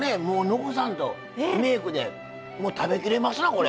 残さんとリメークで食べきれますなこれ。